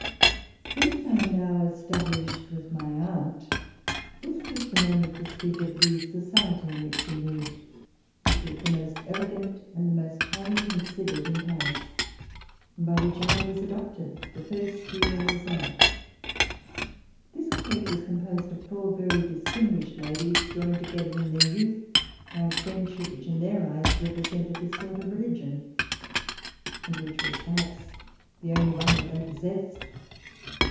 Since I am now established with my aunt, this is the moment to speak of the society in which she moved, which was the most elegant and the most highly considered in Paris, and by which I was adopted the first year that I was out. This clique was com posed of four very distinguished ladies, joined to gether from their youth by a friendship which in their eyes represented a sort of religion, and which FIRST SEASON IN SOCIETY was perhaps the only one that they possessed!